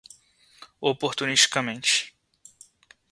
oportunisticamente